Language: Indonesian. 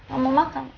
gak mau makan